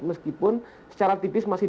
meskipun secara tipis masih